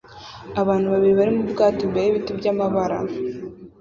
Abantu babiri bari mu bwato imbere yibiti byamabara